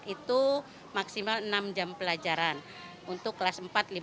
itu maksimal enam jam pelajaran untuk kelas empat lima